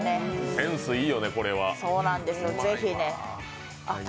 センスいいよね、これは。